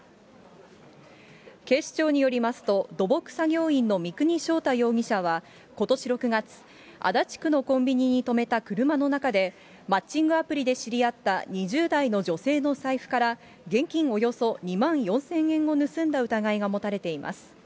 警視庁によりますと、土木作業員の三国翔太容疑者はことし６月、足立区のコンビニに止めた車の中で、マッチングアプリで知り合った２０代の女性の財布から現金およそ２万４０００円を盗んだ疑いが持たれています。